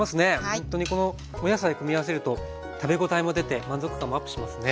ほんとにこのお野菜組み合わせると食べ応えも出て満足感もアップしますね。